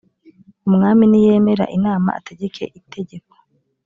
umwami niyemera inama ategeke itegeko